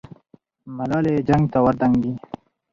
ملالۍ جنګ ته ور دانګي.